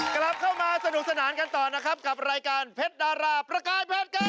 กลับเข้ามาสนุกสนานกันต่อนะครับกับรายการเพชรดาราประกายเพชรครับ